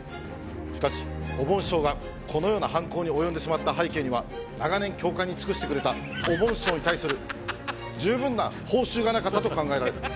しかしおぼん師匠がこのような犯行に及んでしまった背景には長年協会に尽くしてくれたおぼん師匠に対する十分な報酬がなかったと考えられる。